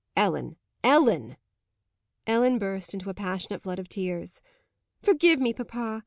"Ellen! Ellen!" Ellen burst into a passionate flood of tears. "Forgive me, papa.